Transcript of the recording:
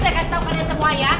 saya kasih tau kalian semua ya